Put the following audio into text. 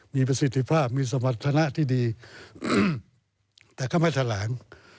มีประสิทธิภาพมีสมรรถนะที่ดีแต่ก็ไม่แถลง